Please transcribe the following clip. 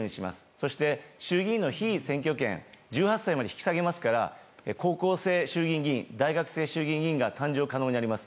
そして、衆議院の被選挙権、１８歳まで引き下げますから、高校生衆議院議員、大学生衆議院議員が誕生可能になります。